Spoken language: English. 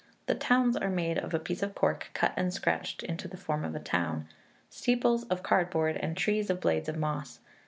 The towns are made of a piece of cork, cut and scratched to the form of the town; steeples of cardboard, and trees of blades of moss.